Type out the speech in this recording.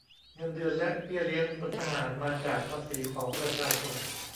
เงินเดือน และเบี้ยเลี้ยงพลทหาร มาจากภาษีของประชาชน